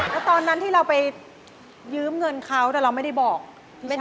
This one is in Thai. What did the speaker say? แล้วตอนนั้นที่เราไปยืมเงินเขาแต่เราไม่ได้บอก